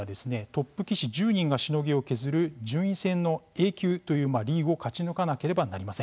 トップ棋士１０人がしのぎを削る順位戦のＡ級というリーグを勝ち抜かなければなりません。